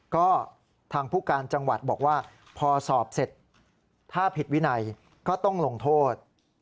ก็ทางผู้การจังหวัดบอกว่าพอสอบเสร็จถ้าผิดวินัยก็ต้องลงโทษ